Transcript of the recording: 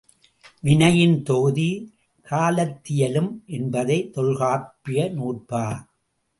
வினையின் தொகுதி காலத்தியலும் என்பது தொல்காப்பிய நூற்பா.